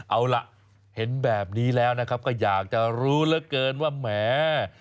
เอาล่ะเห็นแบบนี้แล้วนะครับก็อยากจะรู้เหลือเกินว่าแหม